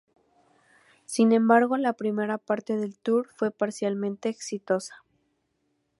Sin embargo la primera parte del tour fue parcialmente exitosa.